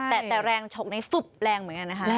แต่แรงฉกนี้ฟึบแรงเหมือนกันนะคะ